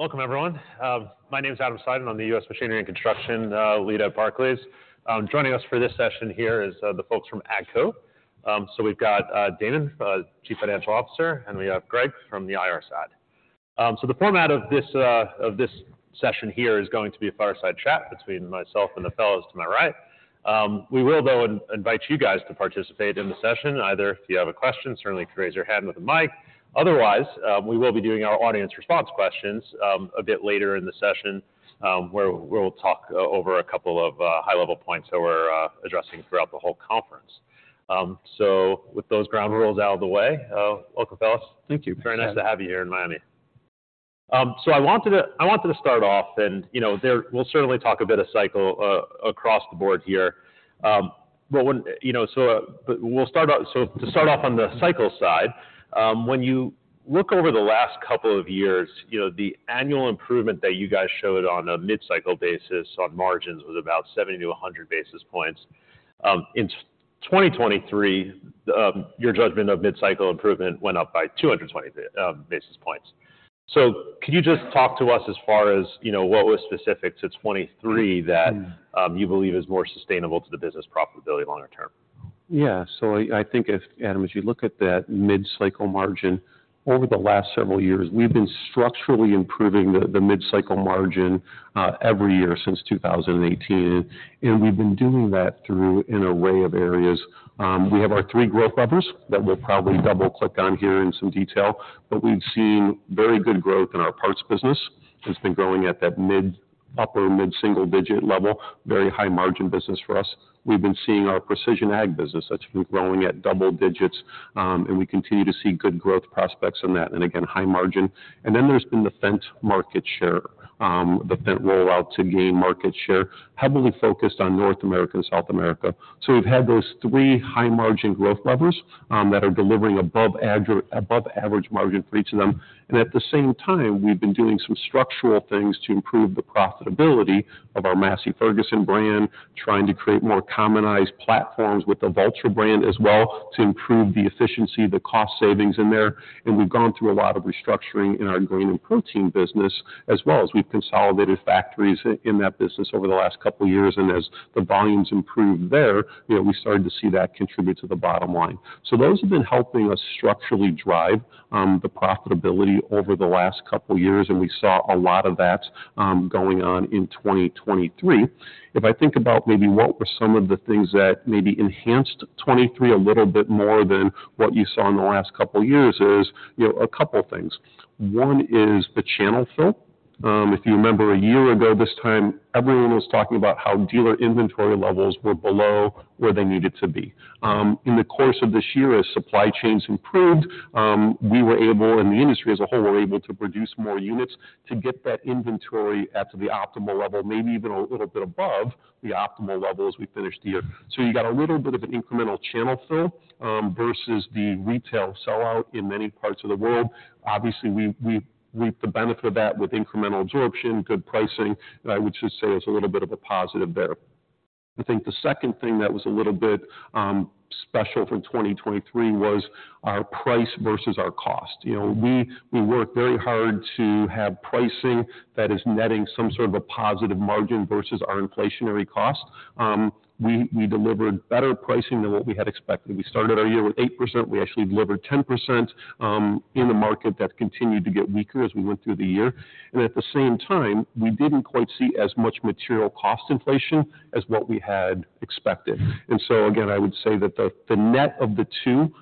All right. Well, welcome, everyone. My name is Adam Seiden. I'm the U.S. Machinery and Construction lead at Barclays. Joining us for this session here is the folks from AGCO. So we've got Damon, Chief Financial Officer, and we have Greg from the IR side. So the format of this session here is going to be a fireside chat between myself and the fellows to my right. We will, though, invite you guys to participate in the session, either if you have a question, certainly, raise your hand with a mic. Otherwise, we will be doing our audience response questions a bit later in the session, where we'll talk over a couple of high-level points that we're addressing throughout the whole conference. With those ground rules out of the way, welcome, fellas. Thank you. Very nice to have you here in Miami. So I wanted to, I wanted to start off, and, you know, we'll certainly talk a bit of cycle across the board here. But when, you know, so, but we'll start out. So to start off on the cycle side, when you look over the last couple of years, you know, the annual improvement that you guys showed on a mid-cycle basis on margins was about 70-100 basis points. In 2023, your judgment of mid-cycle improvement went up by 220 basis points. So could you just talk to us as far as, you know, what was specific to 2023 that you believe is more sustainable to the business profitability longer-term? Yeah. So I think if, Adam, as you look at that mid-cycle margin, over the last several years, we've been structurally improving the mid-cycle margin every year since 2018, and we've been doing that through an array of areas. We have our three growth levers that we'll probably double-click on here in some detail, but we've seen very good growth in our parts business. It's been growing at that mid- to upper mid-single-digit level, very high margin business for us. We've been seeing our precision ag business that's been growing at double digits, and we continue to see good growth prospects on that, and again, high margin. And then there's been the Fendt market share, the Fendt rollout to gain market share, heavily focused on North America and South America. So we've had those three high-margin growth levers that are delivering above average margin for each of them. And at the same time, we've been doing some structural things to improve the profitability of our Massey Ferguson brand, trying to create more commonized platforms with the Valtra brand as well, to improve the efficiency, the cost savings in there. And we've gone through a lot of restructuring in our grain and protein business, as well as we've consolidated factories in that business over the last couple of years, and as the volumes improved there, you know, we started to see that contribute to the bottom line. So those have been helping us structurally drive the profitability over the last couple of years, and we saw a lot of that going on in 2023. If I think about maybe what were some of the things that maybe enhanced 2023 a little bit more than what you saw in the last couple of years is, you know, a couple of things. One is the channel fill. If you remember, a year ago, this time, everyone was talking about how dealer inventory levels were below where they needed to be. In the course of this year, as supply chains improved, we were able, and the industry as a whole, were able to produce more units to get that inventory up to the optimal level, maybe even a little bit above the optimal level as we finished the year. So you got a little bit of an incremental channel fill, versus the retail sellout in many parts of the world. Obviously, we reaped the benefit of that with incremental absorption, good pricing, and I would just say it's a little bit of a positive there. I think the second thing that was a little bit special for 2023 was our price versus our cost. You know, we work very hard to have pricing that is netting some sort of a positive margin versus our inflationary cost. We delivered better pricing than what we had expected. We started our year with 8%. We actually delivered 10% in a market that continued to get weaker as we went through the year. And at the same time, we didn't quite see as much material cost inflation as what we had expected. And so again, I would say that the net of the two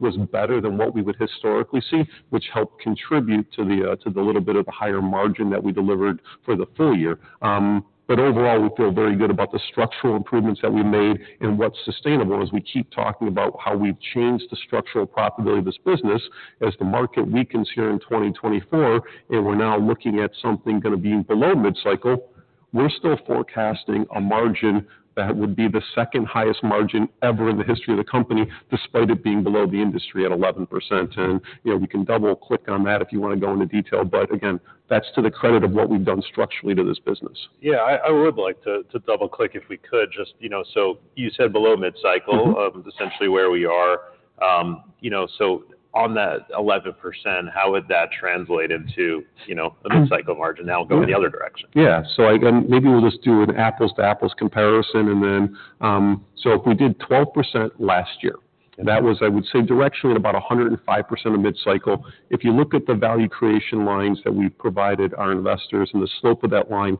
was better than what we would historically see, which helped contribute to the little bit of a higher margin that we delivered for the full year. But overall, we feel very good about the structural improvements that we made and what's sustainable as we keep talking about how we've changed the structural profitability of this business as the market weakens here in 2024, and we're now looking at something gonna be below mid-cycle. We're still forecasting a margin that would be the second highest margin ever in the history of the company, despite it being below the industry at 11%. And, you know, we can double-click on that if you want to go into detail, but again, that's to the credit of what we've done structurally to this business. Yeah, I would like to double-click if we could just, you know. So you said below mid-cycle- Mm-hmm. Essentially where we are. You know, so on that 11%, how would that translate into, you know, a mid-cycle margin now going the other direction? Yeah. So again, maybe we'll just do an apples-to-apples comparison, and then. So if we did 12% last year, that was, I would say, directionally about 105% of mid-cycle. If you look at the value creation lines that we provided our investors and the slope of that line,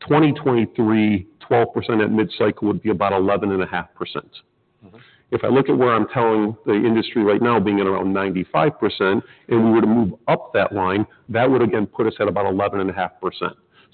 2023, 12% at mid-cycle would be about 11.5%. Mm-hmm. If I look at where I'm telling the industry right now, being at around 95%, and we were to move up that line, that would again put us at about 11.5%.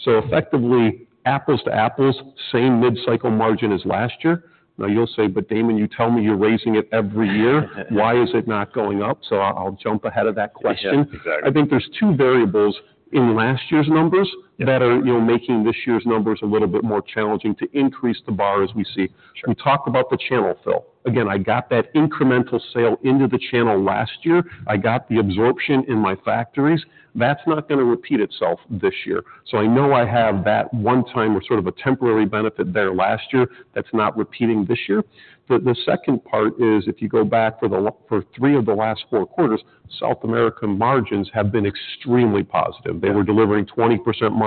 So effectively, apples to apples, same mid-cycle margin as last year. Now, you'll say, "But Damon, you tell me you're raising it every year. Why is it not going up?" So I, I'll jump ahead of that question. Yeah, exactly. I think there's two variables in last year's numbers. Yeah That are, you know, making this year's numbers a little bit more challenging to increase the bar as we see. Sure. We talked about the channel fill. Again, I got that incremental sale into the channel last year. I got the absorption in my factories. That's not gonna repeat itself this year. So I know I have that one time or sort of a temporary benefit there last year, that's not repeating this year. The second part is, if you go back for three of the last four quarters, South America margins have been extremely positive. Yeah. They were delivering 20%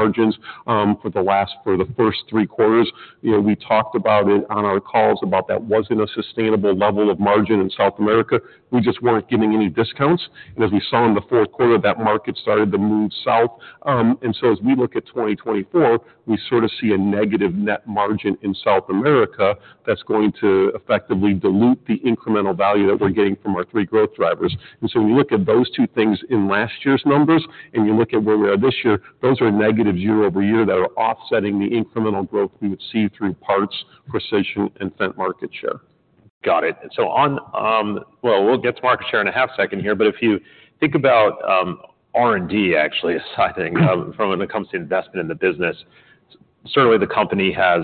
margins for the first three quarters. You know, we talked about it on our calls about that wasn't a sustainable level of margin in South America. We just weren't getting any discounts. And as we saw in the fourth quarter, that market started to move south. And so as we look at 2024, we sort of see a negative net margin in South America that's going to effectively dilute the incremental value that we're getting from our three growth drivers. And so when you look at those two things in last year's numbers, and you look at where we are this year, those are negative year-over-year that are offsetting the incremental growth we would see through parts, precision, and Fendt market share. Got it. So on, well, we'll get to market share in a half second here, but if you think about R&D, actually, aside from when it comes to investment in the business, certainly the company has,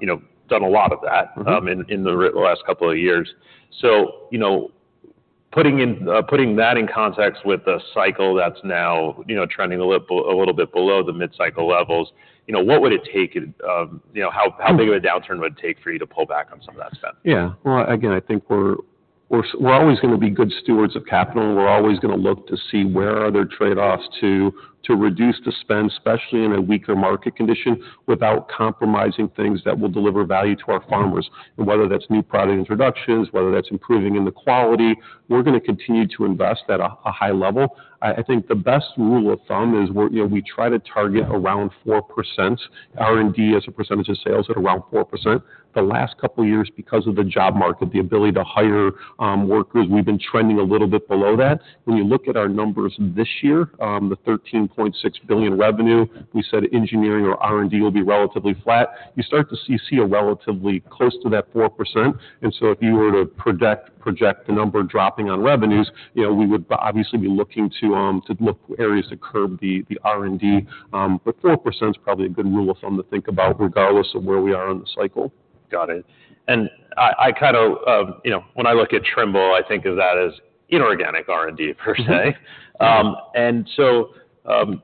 you know, done a lot of that. Mm-hmm. The last couple of years. So, you know, putting that in context with a cycle that's now, you know, trending a little bit below the mid-cycle levels, you know, what would it take, you know, how big of a downturn would it take for you to pull back on some of that spend? Yeah. Well, again, I think we're always gonna be good stewards of capital. We're always gonna look to see where are there trade-offs to reduce the spend, especially in a weaker market condition, without compromising things that will deliver value to our farmers. And whether that's new product introductions, whether that's improving in the quality, we're gonna continue to invest at a high level. I think the best rule of thumb is we're—you know, we try to target around 4%, R&D as a percentage of sales at around 4%. The last couple of years, because of the job market, the ability to hire workers, we've been trending a little bit below that. When you look at our numbers this year, the $13.6 billion revenue, we said engineering or R&D will be relatively flat. You start to see a relatively close to that 4%. And so if you were to project the number dropping on revenues, you know, we would obviously be looking to look areas to curb the R&D. But 4% is probably a good rule of thumb to think about regardless of where we are in the cycle. Got it. And I kinda, you know, when I look at Trimble, I think of that as inorganic R&D, per se. Mm-hmm. So,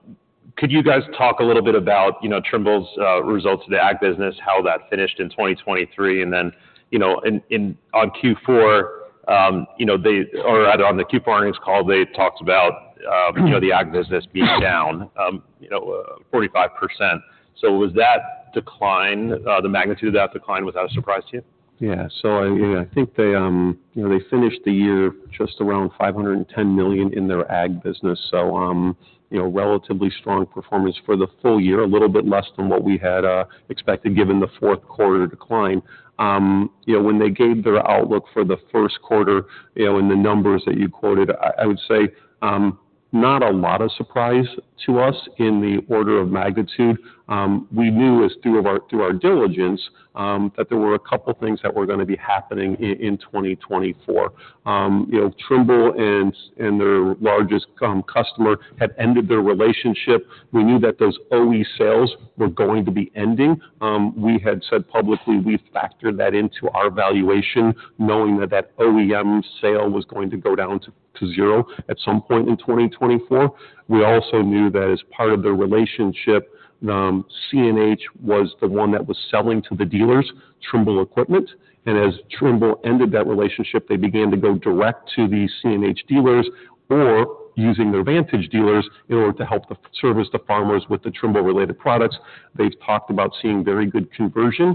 could you guys talk a little bit about, you know, Trimble's results of the ag business, how that finished in 2023, and then, you know, on Q4, you know, they or on the Q4 earnings call, they talked about, you know, the ag business being down, you know, 45%. So was that decline, the magnitude of that decline, was that a surprise to you? Yeah. So I think they, you know, they finished the year just around $510 million in their ag business. So, you know, relatively strong performance for the full year, a little bit less than what we had expected, given the fourth quarter decline. You know, when they gave their outlook for the first quarter, you know, and the numbers that you quoted, I would say not a lot of surprise to us in the order of magnitude. We knew through our diligence that there were a couple of things that were gonna be happening in 2024. You know, Trimble and their largest customer had ended their relationship. We knew that those OE sales were going to be ending. We had said publicly, we factored that into our valuation, knowing that that OEM sale was going to go down to zero at some point in 2024. We also knew that as part of their relationship, CNH was the one that was selling to the dealers, Trimble equipment, and as Trimble ended that relationship, they began to go direct to the CNH dealers or using their Vantage dealers in order to help service the farmers with the Trimble-related products. They've talked about seeing very good conversion,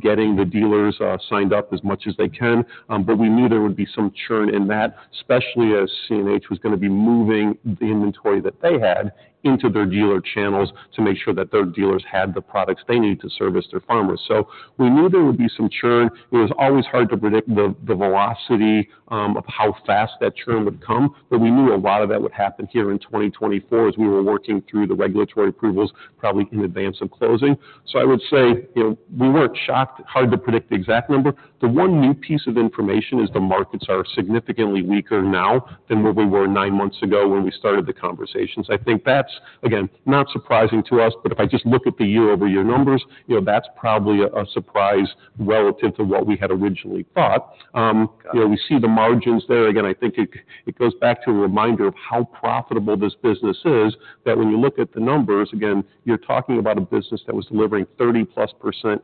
getting the dealers signed up as much as they can, but we knew there would be some churn in that, especially as CNH was gonna be moving the inventory that they had into their dealer channels to make sure that their dealers had the products they needed to service their farmers. So we knew there would be some churn. It was always hard to predict the velocity of how fast that churn would come, but we knew a lot of that would happen here in 2024 as we were working through the regulatory approvals, probably in advance of closing. So I would say, you know, we weren't shocked, hard to predict the exact number. The one new piece of information is the markets are significantly weaker now than where we were nine months ago when we started the conversations. I think that's, again, not surprising to us, but if I just look at the year-over-year numbers, you know, that's probably a surprise relative to what we had originally thought. You know, we see the margins there. Again, I think it goes back to a reminder of how profitable this business is, that when you look at the numbers, again, you're talking about a business that was delivering 30%+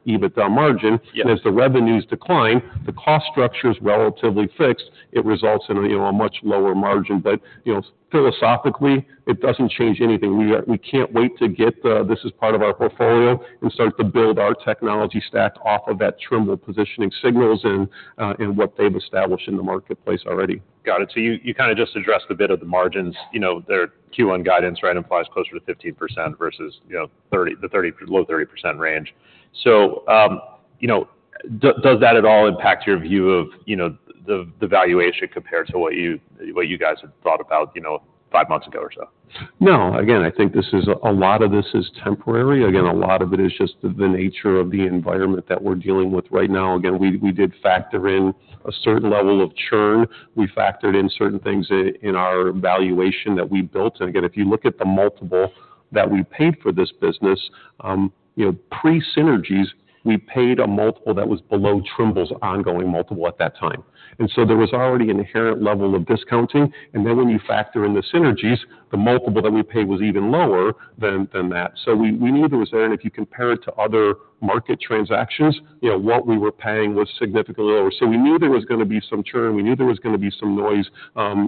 EBITDA margin. Yeah. As the revenues decline, the cost structure is relatively fixed, it results in a, you know, a much lower margin. You know, philosophically, it doesn't change anything. We can't wait to get this as part of our portfolio and start to build our technology stack off of that Trimble positioning signals and what they've established in the marketplace already. Got it. So you kinda just addressed a bit of the margins, you know, their Q1 guidance, right, implies closer to 15% versus, you know, 30%, the low 30% range. So, you know, does that at all impact your view of, you know, the valuation compared to what you guys had thought about, you know, five months ago or so? No. Again, I think this is a lot of this is temporary. Again, a lot of it is just the nature of the environment that we're dealing with right now. Again, we did factor in a certain level of churn. We factored in certain things in our valuation that we built. And again, if you look at the multiple that we paid for this business, you know, pre-synergies, we paid a multiple that was below Trimble's ongoing multiple at that time. And so there was already an inherent level of discounting, and then when you factor in the synergies, the multiple that we paid was even lower than that. So we knew there was there, and if you compare it to other market transactions, you know, what we were paying was significantly lower. So we knew there was gonna be some churn, we knew there was gonna be some noise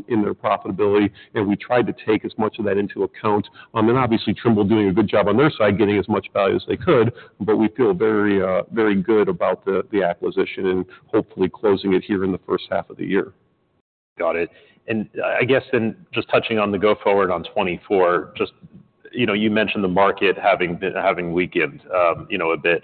in their profitability, and we tried to take as much of that into account. And obviously, Trimble doing a good job on their side, getting as much value as they could, but we feel very, very good about the, the acquisition and hopefully closing it here in the first half of the year. Got it. And, I guess in just touching on the go forward on 2024, just, you know, you mentioned the market having been, having weakened, you know, a bit,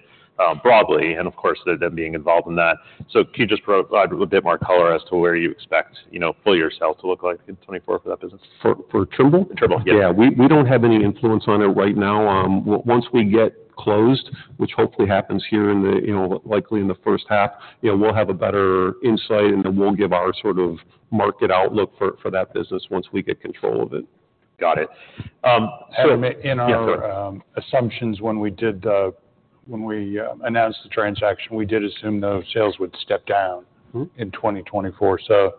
broadly, and of course, them being involved in that. So can you just provide a bit more color as to where you expect, you know, full year sales to look like in 2024 for that business? For Trimble? Trimble, yeah. Yeah, we, we don't have any influence on it right now. Once we get closed, which hopefully happens here in the, you know, likely in the first half, you know, we'll have a better insight, and then we'll give our sort of market outlook for, for that business once we get control of it. Got it. And in our assumptions, when we announced the transaction, we did assume those sales would step down. Mm-hmm. In 2024. So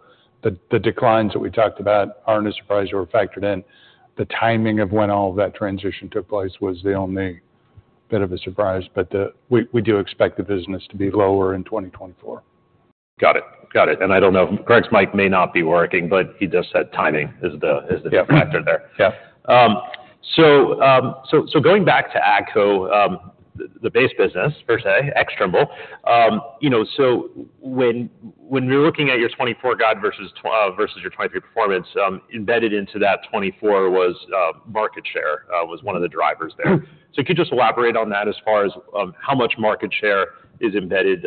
the, the declines that we talked about aren't a surprise, they were factored in. The timing of when all of that transition took place was the only bit of a surprise, but, we, we do expect the business to be lower in 2024. Got it. Got it. And I don't know, Greg's mic may not be working, but he just said timing is the- Yeah Factor there. Yeah. So going back to AGCO, the base business per se, ex Trimble. You know, so when we're looking at your 2024 guide versus versus your 2023 performance, embedded into that 2024 was market share was one of the drivers there. Mm-hmm. So could you just elaborate on that as far as how much market share is embedded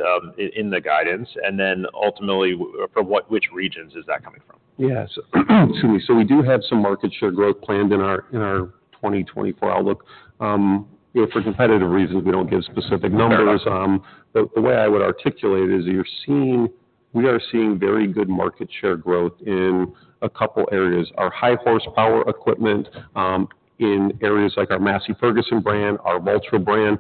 in the guidance, and then ultimately, from which regions is that coming from? Yes. So we do have some market share growth planned in our 2024 outlook. You know, for competitive reasons, we don't give specific numbers. Fair enough. But the way I would articulate it is you're seeing—we are seeing very good market share growth in a couple areas. Our high horsepower equipment, in areas like our Massey Ferguson brand, our Valtra brand,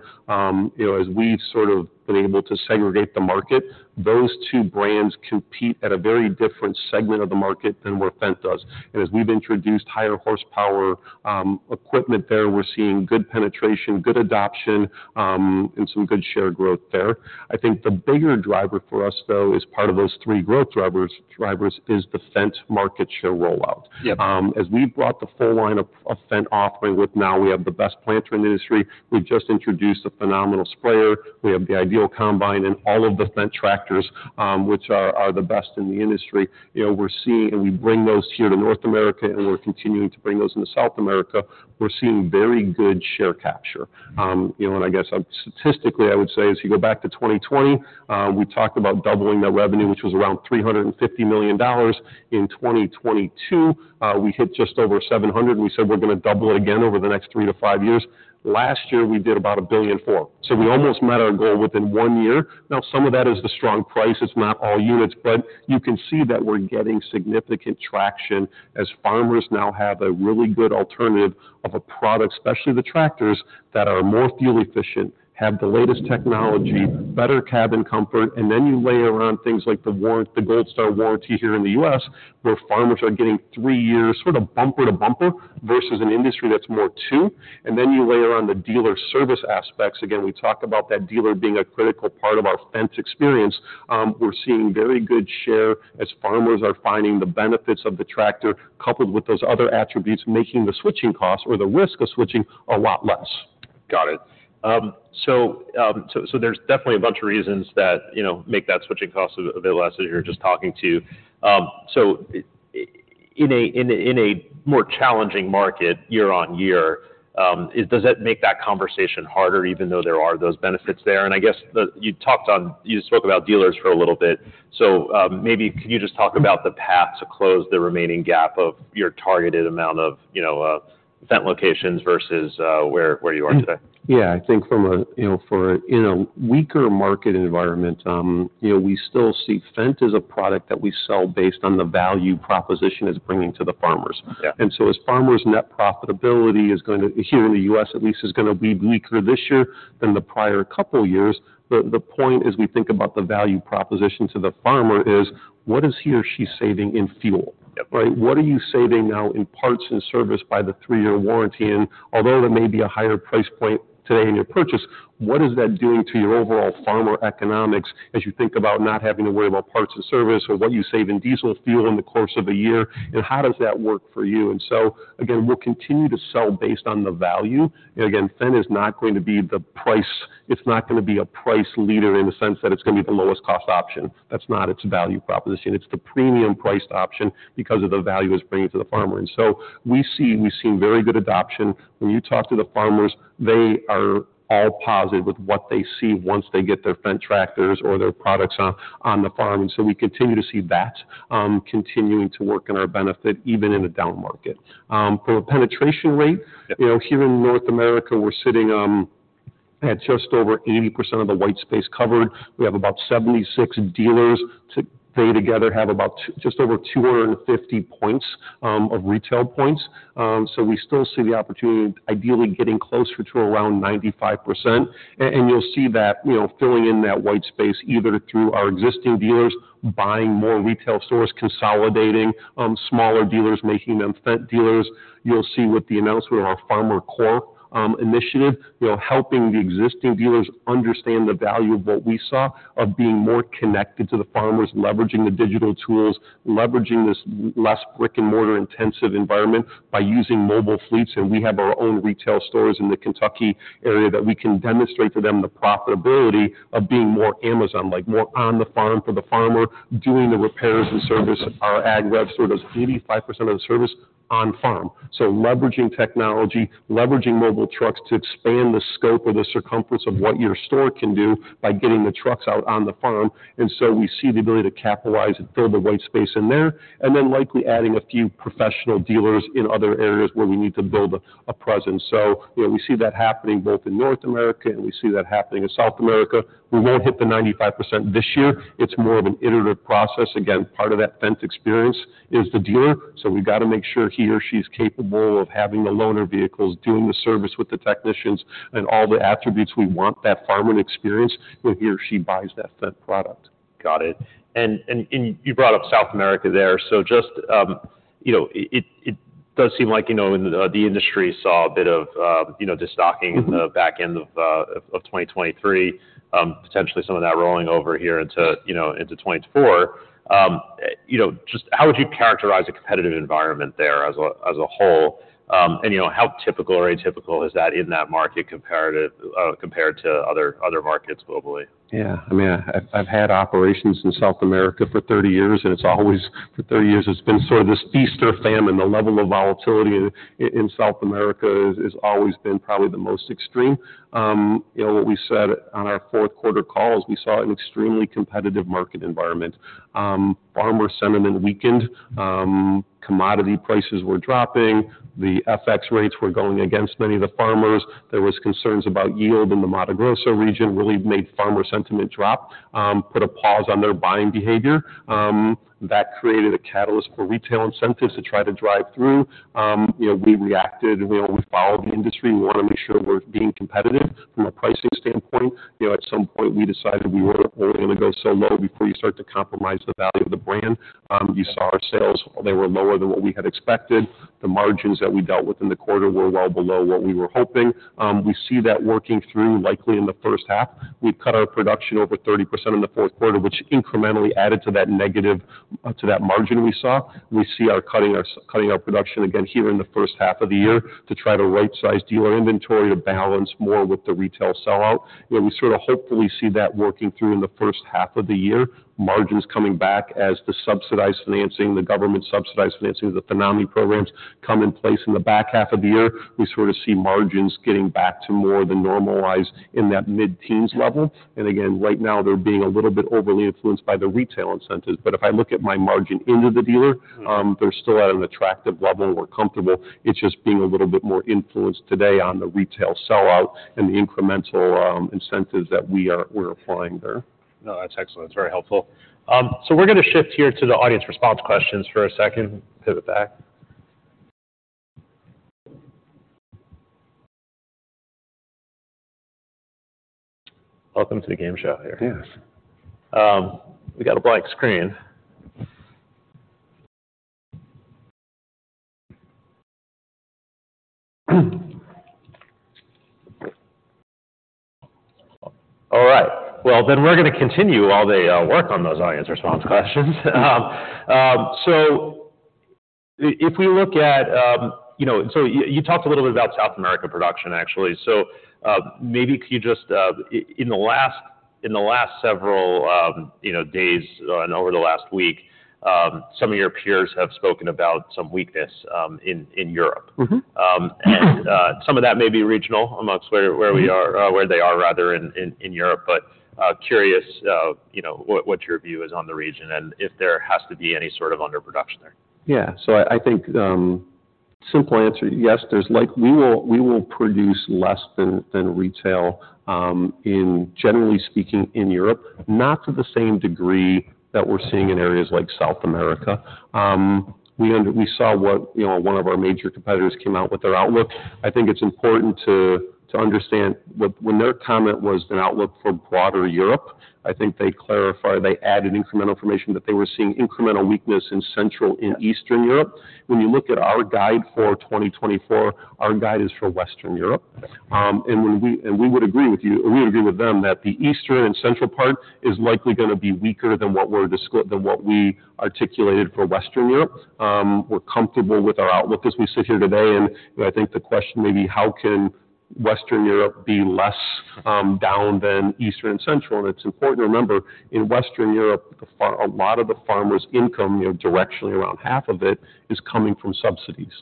you know, as we've sort of been able to segregate the market, those two brands compete at a very different segment of the market than what Fendt does. And as we've introduced higher horsepower equipment there, we're seeing good penetration, good adoption, and some good share growth there. I think the bigger driver for us, though, as part of those three growth drivers, is the Fendt market share rollout. Yep. As we've brought the full line of Fendt offering with now, we have the best planter in the industry. We've just introduced a phenomenal sprayer. We have the IDEAL combine and all of the Fendt tractors, which are the best in the industry. You know, we're seeing. And we bring those here to North America, and we're continuing to bring those into South America. We're seeing very good share capture. You know, and I guess, statistically, I would say, as you go back to 2020, we talked about doubling that revenue, which was around $350 million. In 2022, we hit just over $700 million, and we said we're gonna double it again over the next 3-5 years. Last year, we did about $1.4 billion, so we almost met our goal within one year. Now, some of that is the strong prices, not all units, but you can see that we're getting significant traction as farmers now have a really good alternative of a product, especially the tractors, that are more fuel efficient, have the latest technology, better cabin comfort, and then you layer on things like the warranty—the Gold Star warranty here in the U.S., where farmers are getting three years, sort of bumper-to-bumper, versus an industry that's more two. And then you layer on the dealer service aspects. Again, we talk about that dealer being a critical part of our Fendt experience. We're seeing very good share as farmers are finding the benefits of the tractor, coupled with those other attributes, making the switching costs or the risk of switching a lot less. Got it. So there's definitely a bunch of reasons that, you know, make that switching cost a bit less, as you're just talking to. In a more challenging market year on year, does that make that conversation harder, even though there are those benefits there? And I guess. You spoke about dealers for a little bit, so maybe could you just talk about the path to close the remaining gap of your targeted amount of, you know, Fendt locations versus where you are today? Yeah, I think, you know, in a weaker market environment, you know, we still see Fendt as a product that we sell based on the value proposition it's bringing to the farmers. Yeah. So as farmers' net profitability is going to, here in the U.S., at least, is gonna be weaker this year than the prior couple of years, the point is, we think about the value proposition to the farmer is: what is he or she saving in fuel? Yep. Right? What are you saving now in parts and service by the three-year warranty? And although there may be a higher price point today in your purchase, what is that doing to your overall farmer economics as you think about not having to worry about parts and service, or what you save in diesel fuel in the course of a year, and how does that work for you? And so, again, we'll continue to sell based on the value. And again, Fendt is not going to be the price - it's not gonna be a price leader in the sense that it's gonna be the lowest cost option. That's not its value proposition. It's the premium priced option because of the value it's bringing to the farmer. And so we see, we've seen very good adoption. When you talk to the farmers, they are all positive with what they see once they get their Fendt tractors or their products on, on the farm. And so we continue to see that, continuing to work in our benefit, even in a down market. For a penetration rate. Yep. You know, here in North America, we're sitting at just over 80% of the white space covered. We have about 76 dealers. They together have about just over 250 points of retail points. So we still see the opportunity, ideally getting closer to around 95%. And you'll see that, you know, filling in that white space, either through our existing dealers, buying more retail stores, consolidating smaller dealers, making them Fendt dealers. You'll see with the announcement of our FarmerCore initiative, you know, helping the existing dealers understand the value of what we saw, of being more connected to the farmers, leveraging the digital tools, leveraging this less brick-and-mortar intensive environment by using mobile fleets. We have our own retail stores in the Kentucky area that we can demonstrate to them the profitability of being more Amazon-like, more on the farm for the farmer, doing the repairs and service. Our AgRev store does 85% of the service on farm. So leveraging technology, leveraging mobile trucks to expand the scope or the circumference of what your store can do by getting the trucks out on the farm. And so we see the ability to capitalize and fill the white space in there, and then likely adding a few professional dealers in other areas where we need to build a presence. So, you know, we see that happening both in North America, and we see that happening in South America. We won't hit the 95% this year. It's more of an iterative process. Again, part of that Fendt experience is the dealer, so we got to make sure he or she is capable of having the loaner vehicles, doing the service with the technicians, and all the attributes we want that farmer to experience when he or she buys that Fendt product. Got it. And you brought up South America there. So just, you know, it does seem like, you know, the industry saw a bit of, you know, destocking. Mm-hmm. At the back end of 2023, potentially some of that rolling over here into, you know, into 2024. You know, just how would you characterize the competitive environment there as a, as a whole? And, you know, how typical or atypical is that in that market comparative—compared to other, other markets globally? Yeah, I mean, I've had operations in South America for 30 years, and it's always, for 30 years, it's been sort of this feast or famine. The level of volatility in South America is always been probably the most extreme. You know, what we said on our fourth quarter call is we saw an extremely competitive market environment. Farmer sentiment weakened, commodity prices were dropping, the FX rates were going against many of the farmers. There was concerns about yield in the Mato Grosso region, really made farmer sentiment drop, put a pause on their buying behavior. That created a catalyst for retail incentives to try to drive through. You know, we reacted, and, you know, we followed the industry. We want to make sure we're being competitive from a pricing standpoint. You know, at some point, we decided we were only going to go so low before you start to compromise the value of the brand. You saw our sales, they were lower than what we had expected. The margins that we dealt with in the quarter were well below what we were hoping. We see that working through, likely in the first half. We've cut our production over 30% in the fourth quarter, which incrementally added to that negative, to that margin we saw. We see cutting our production again here in the first half of the year to try to rightsize dealer inventory to balance more with the retail sellout. And we sort of hopefully see that working through in the first half of the year, margins coming back as the subsidized financing, the government-subsidized financing, the FINAME programs come in place in the back half of the year. We sort of see margins getting back to more of the normalized in that mid-teens level. And again, right now, they're being a little bit overly influenced by the retail incentives. But if I look at my margin into the dealer. Mm-hmm. They're still at an attractive level. We're comfortable. It's just being a little bit more influenced today on the retail sellout and the incremental incentives that we're applying there. No, that's excellent. That's very helpful. So, we're going to shift here to the audience response questions for a second, pivot back. Welcome to the game show here. Yes. We got a blank screen. All right. Well, then we're going to continue while they work on those audience response questions. So if we look at, you know. So you talked a little bit about South America production, actually. So maybe could you just in the last several, you know, days and over the last week, some of your peers have spoken about some weakness in Europe. Mm-hmm. Some of that may be regional amongst where we are. Mm-hmm. Where they are, rather, in Europe. But curious, you know, what your view is on the region and if there has to be any sort of underproduction there. Yeah. So I think, simple answer, yes, there's like. We will produce less than retail, generally speaking, in Europe, not to the same degree that we're seeing in areas like South America. We saw what, you know, one of our major competitors came out with their outlook. I think it's important to understand what, when their comment was an outlook for broader Europe, I think they clarified, they added incremental information, that they were seeing incremental weakness in Central and Eastern Europe. When you look at our guide for 2024, our guide is for Western Europe. Yes. And we would agree with you, or we agree with them, that the Eastern and Central part is likely going to be weaker than what we articulated for Western Europe. We're comfortable with our outlook as we sit here today, and I think the question may be: How can Western Europe be less down than Eastern and Central? And it's important to remember, in Western Europe, a lot of the farmers' income, you know, directionally, around half of it, is coming from subsidies.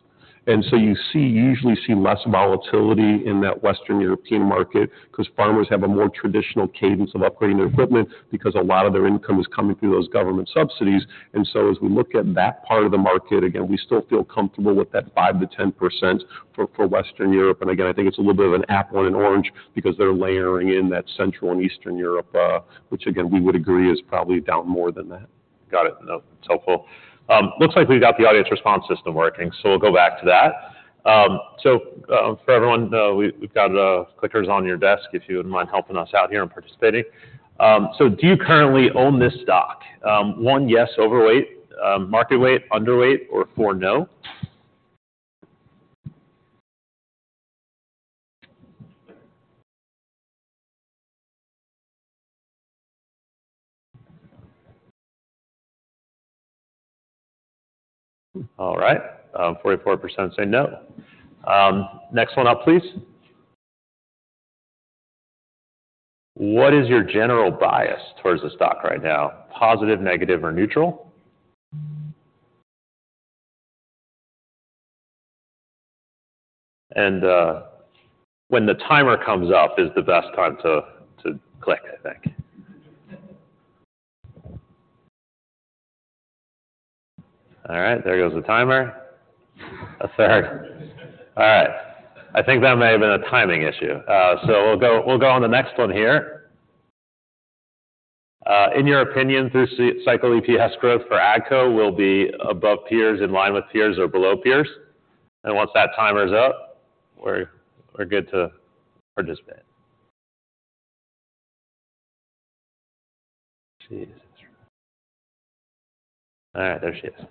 And so you usually see less volatility in that Western European market because farmers have a more traditional cadence of upgrading their equipment, because a lot of their income is coming through those government subsidies. And so as we look at that part of the market, again, we still feel comfortable with that 5%-10% for Western Europe. And again, I think it's a little bit of an apple and orange because they're layering in that Central and Eastern Europe, which again, we would agree is probably down more than that. Got it. No, it's helpful. Looks like we've got the audience response system working, so we'll go back to that. So, for everyone, we've got clickers on your desk, if you wouldn't mind helping us out here and participating. So do you currently own this stock? One, yes, overweight, market weight, underweight, or four, no. All right, 44% say no. Next one up, please. What is your general bias towards the stock right now? Positive, negative, or neutral? And when the timer comes up is the best time to click, I think. All right, there goes the timer. A third. All right. I think that may have been a timing issue. So we'll go on the next one here. In your opinion, through cycle, EPS growth for AGCO will be above peers, in line with peers or below peers? And once that timer is up, we're good to participate. All right, there she is.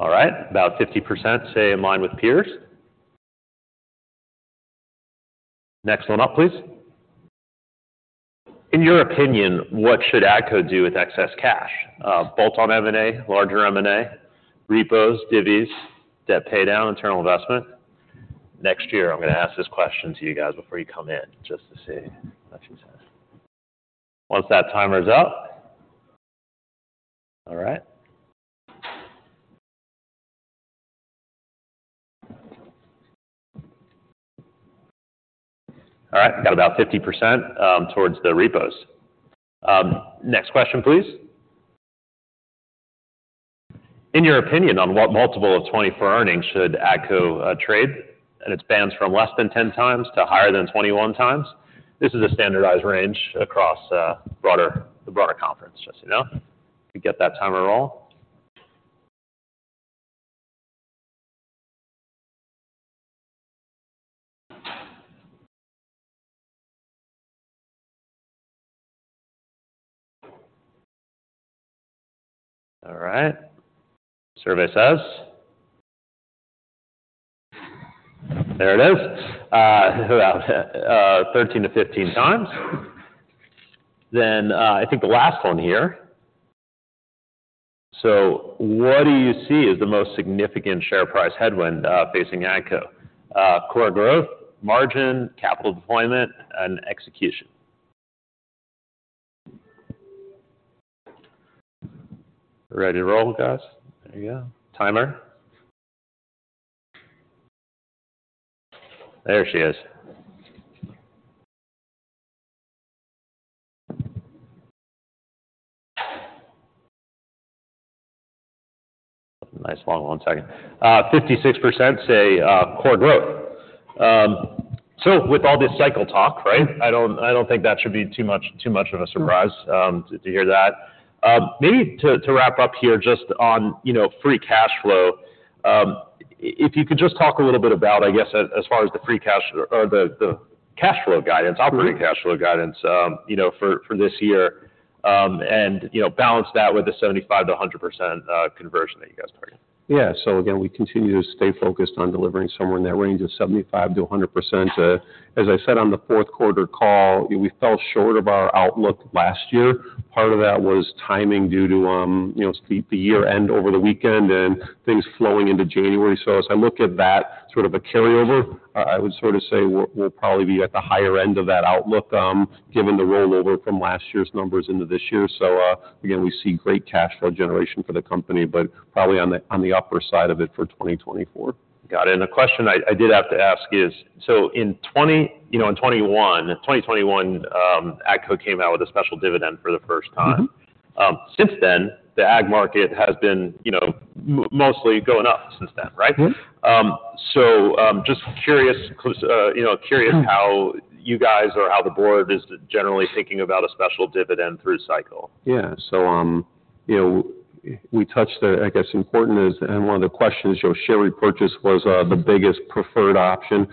All right, about 50% say in line with peers. Next one up, please. In your opinion, what should AGCO do with excess cash? Bolt-on M&A, larger M&A, repos, divvies, debt pay down, internal investment. Next year, I'm gonna ask this question to you guys before you come in, just to see what you say. Once that timer is up. All right. All right, got about 50%, towards the repos. Next question, please. In your opinion, on what multiple of 2024 earnings should AGCO trade, and it spans from less than 10x to higher than 21x? This is a standardized range across broader conference, just so you know. We get that timer rolling. All right, survey says. There it is, about 13-15x. Then, I think the last one here. So what do you see as the most significant share price headwind facing AGCO? Core growth, margin, capital deployment, and execution. Ready to roll, guys? There you go. Timer. There she is. Nice, long one second. 56% say core growth. So with all this cycle talk, right, I don't think that should be too much of a surprise to hear that. Maybe to wrap up here just on, you know, free cash flow. If you could just talk a little bit about, I guess, as, as far as the free cash or the, the cash flow guidance? Mm-hmm. Operating cash flow guidance, you know, for this year, and, you know, balance that with the 75%-100% conversion that you guys targeted. Yeah. So again, we continue to stay focused on delivering somewhere in that range of 75%-100%. Uh, as I said, on the fourth quarter call, we fell short of our outlook last year. Part of that was timing due to, you know, the year-end over the weekend and things flowing into January. So as I look at that sort of a carryover, I would sort of say we're probably be at the higher end of that outlook, given the rollover from last year's numbers into this year. So, again, we see great cash flow generation for the company, but probably on the, on the upper side of it for 2024. Got it. The question I did have to ask is, so in 2021, you know, AGCO came out with a special dividend for the first time. Mm-hmm. Since then, the ag market has been, you know, mostly going up since then, right? Mm-hmm. Just curious, you know, curious how you guys or how the board is generally thinking about a special dividend through cycle? Yeah. So, you know, we touched, I guess, important is, and one of the questions, your share repurchase was, the biggest preferred option.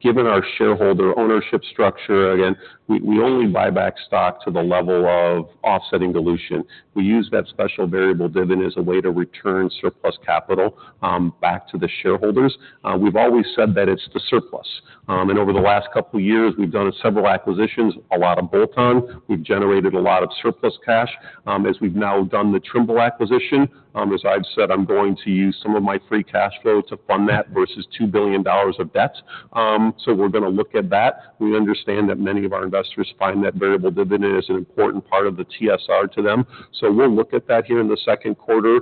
Given our shareholder ownership structure, again, we, we only buy back stock to the level of offsetting dilution. We use that special variable dividend as a way to return surplus capital, back to the shareholders. We've always said that it's the surplus. And over the last couple of years, we've done several acquisitions, a lot of bolt-on. We've generated a lot of surplus cash. As we've now done the Trimble acquisition, as I've said, I'm going to use some of my free cash flow to fund that versus $2 billion of debt. So we're gonna look at that. We understand that many of our investors find that variable dividend as an important part of the TSR to them. So we'll look at that here in the second quarter,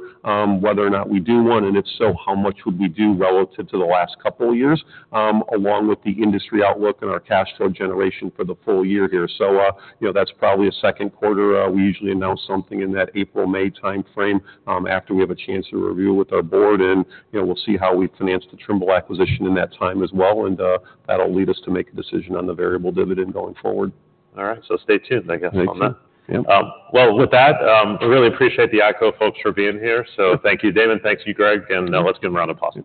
whether or not we do one, and if so, how much would we do relative to the last couple of years, along with the industry outlook and our cash flow generation for the full year here. So, you know, that's probably a second quarter. We usually announce something in that April, May timeframe, after we have a chance to review with our board, and, you know, we'll see how we finance the Trimble acquisition in that time as well. And, that'll lead us to make a decision on the variable dividend going forward. All right. So stay tuned, I guess, on that. Yeah. Well, with that, I really appreciate the AGCO folks for being here. So thank you, Damon. Thank you, Greg, and let's give them a round of applause.